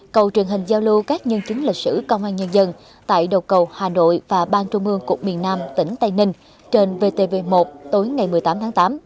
cầu truyền hình giao lưu các nhân chứng lịch sử công an nhân dân tại đầu cầu hà nội và bang trung ương cục miền nam tỉnh tây ninh trên vtv một tối ngày một mươi tám tháng tám